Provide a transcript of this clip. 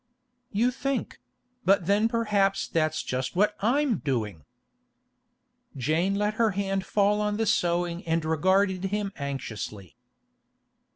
'You think—But then perhaps that's just what I'm doing?' Jane let her hand fall on the sewing and regarded him anxiously.